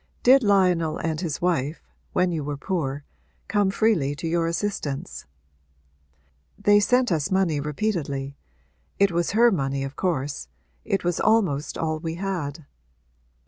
Did Lionel and his wife, when you were poor, come freely to your assistance?' 'They sent us money repeatedly it was her money of course. It was almost all we had.'